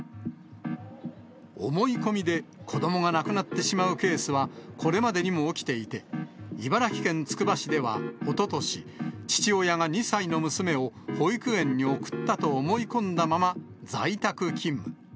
思い込みで子どもが亡くなってしまうケースは、これまでにも起きていて、茨城県つくば市では、おととし、父親が２歳の娘を保育園に送ったと思い込んだまま、在宅勤務。